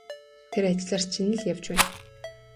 Тэр ажлаар чинь л явж байна.